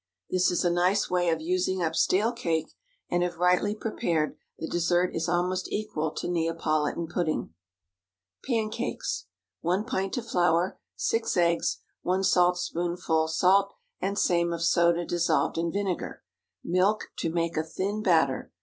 This is a nice way of using up stale cake, and if rightly prepared, the dessert is almost equal to Neapolitan pudding. PANCAKES. 1 pint of flour. 6 eggs. 1 saltspoonful salt, and same of soda dissolved in vinegar. Milk to make a thin batter.